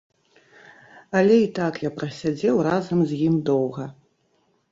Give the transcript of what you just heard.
Але і так я прасядзеў разам з ім доўга.